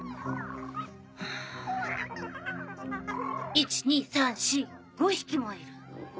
１・２・３・４・５匹もいる。